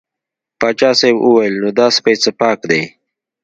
پاچا صاحب وویل نو دا سپی څه پاک دی.